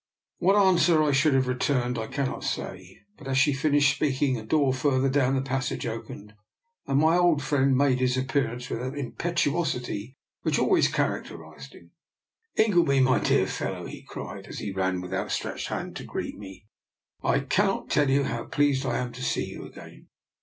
What answer I should have returned I cannot say, but as she finished speaking a door farther down the passage opened, and my old friend made his appearance with that impetuosity which always characterised him. " Ingleby, my dear fellow," he cried, as he ran with outstretched hand to greet me, " I cannot tell you how pleased I am to see you again.